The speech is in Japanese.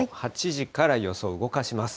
８時から予想を動かします。